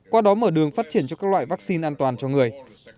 qua đó mở đường phát triển cho các loại vaccine an toàn cho người